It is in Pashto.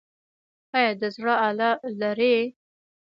ایا د زړه آله لرئ؟